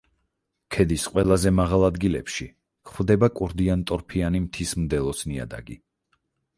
ქედის ყველაზე მაღალ ადგილებში გვხვდება კორდიან-ტორფიანი მთის მდელოს ნიადაგი.